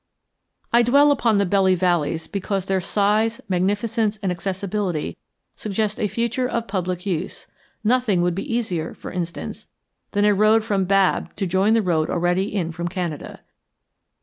I dwell upon the Belly valleys because their size, magnificence, and accessibility suggest a future of public use; nothing would be easier, for instance, than a road from Babb to join the road already in from Canada.